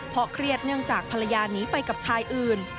เพราะเครียดเนื่องจากภรรยาหนีไปกับชายอื่น